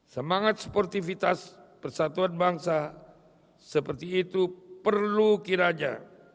semangat sportivitas persatuan bangsa seperti itu perlu kiranya